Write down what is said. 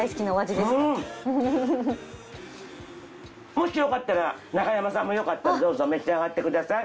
もしよかったら中山さんもよかったらどうぞ召し上がってください。